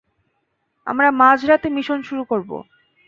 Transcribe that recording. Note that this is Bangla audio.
আমরা মাঝরাতে মিশন শুরু করব।